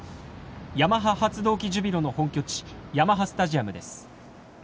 ヤマハ発動機ジュビロの本拠地ヤマハスタジアムです。